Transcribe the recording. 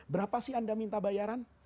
berapa sih anda minta bayaran